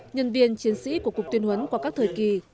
nhân viên chiến sĩ của cục tuyên huấn qua các thời kỳ